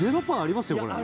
０パーありますよ